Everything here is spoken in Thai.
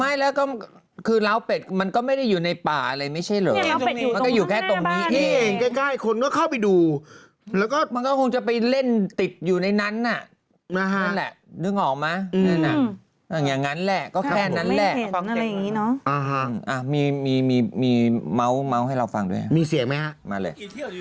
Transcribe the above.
เช่นเหรอมันก็อยู่แค่ตรงนี้เองใกล้คนก็เข้าไปดูแล้วก็มันก็คงจะไปเล่นติดอยู่ในนั้นน่ะนั่นแหละนึกออกไหมอย่างนั้นแหละก็แค่นั้นแหละมีเมาส์ให้เราฟังด้วยมีเสียงไหมฮะมาเลย